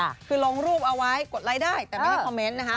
คือลงรูปเอาไว้กดไลค์ได้แต่ไม่ให้คอมเมนต์นะคะ